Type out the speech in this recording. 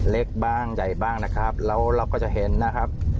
เล็กบ้างใหญ่บ้างนะครับแล้วเราก็จะเห็นนะครับ